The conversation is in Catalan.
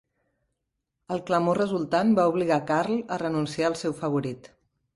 El clamor resultant va obligar a Karl a renunciar al seu favorit.